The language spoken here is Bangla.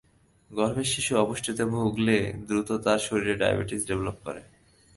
গর্ভের শিশু অপুষ্টিতে ভুগলে দ্রুত তার শরীরে ডায়াবেটিস ডেভেলপ করে।